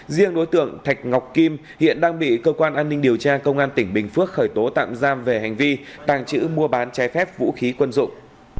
riêng đối tượng thạch ngọc kim hiện đang bị cơ quan an ninh điều tra công an tỉnh bình phước khởi tố tạm giam về hành vi tàng trữ mua bán trái phép vũ khí quân dụng